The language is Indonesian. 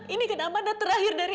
ini kenapa anda terakhir dari